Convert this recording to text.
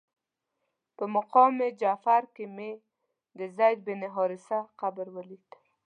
په مقام جعفر کې مې د زید بن حارثه قبر ولید.